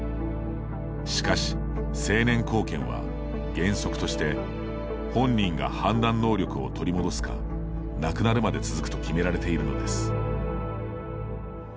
しかし、成年後見は原則として本人が判断能力を取り戻すか亡くなるまで続くと決められているのです。